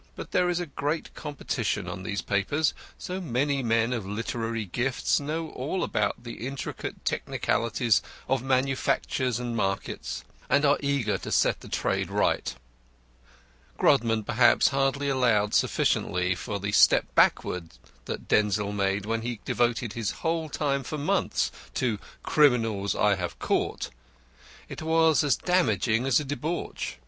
But there is great competition on these papers. So many men of literary gifts know all about the intricate technicalities of manufactures and markets, and are eager to set the trade right. Grodman perhaps hardly allowed sufficiently for the step backwards that Denzil made when he devoted his whole time for months to Criminals I have Caught. It was as damaging as a debauch.